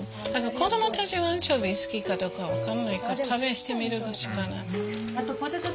子どもたちはアンチョビ好きかどうか分かんないから試してみるしかない。